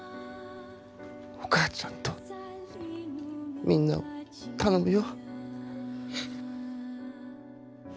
お母ちゃんとみんなを頼むよ。